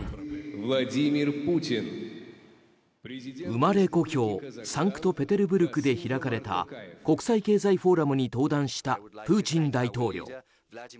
生まれ故郷サンクトペテルブルクで開かれた国際経済フォーラムに登壇したプーチン大統領。